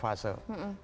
fase pertama adalah